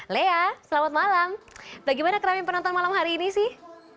lea selamat malam bagaimana keramian penonton malam hari ini sih